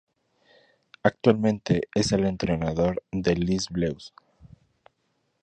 Actualmente es el entrenador de Les Bleus.